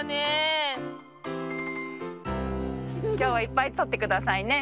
きょうはいっぱいとってくださいね。